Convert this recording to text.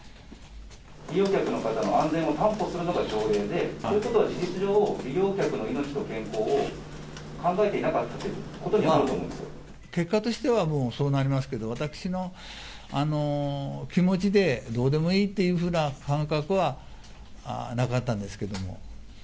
利用客の方の安全を担保するのが条例で、そういうことは事実上、利用客の命と健康を考えていなかったということになると思うんで結果としてはそうなりますけど、私の気持ちでどうでもいいというふうな感覚はなかったんですけども。